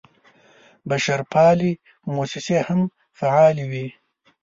بشرپالې موسسې هم فعالې وې.